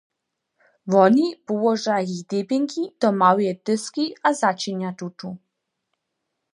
Woni połoža jich debjenki do małeje tyzki a začinja tutu.